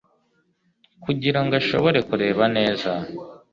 kugira ngo ashobore kureba neza